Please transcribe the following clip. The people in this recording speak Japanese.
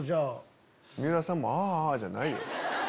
水卜さんも「あ」じゃないよ。